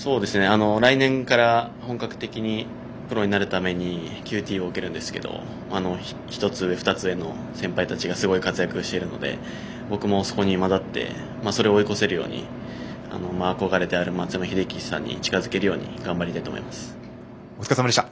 来年から本格的にプロになるためにＱＴを受けるんですけど１つ上、２つ上の先輩がすごい活躍しているので僕も、そこに交ざってそれを追い越せるように憧れである松山英樹さんに近づけるようお疲れさまでした。